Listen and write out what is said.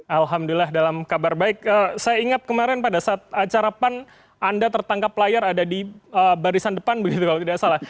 alhamdulillah dalam kabar baik saya ingat kemarin pada saat acara pan anda tertangkap layar ada di barisan depan begitu kalau tidak salah